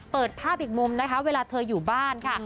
เปิดภาพอีกมุมนะคะเวลาเธออยู่บ้านค่ะ